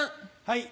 はい。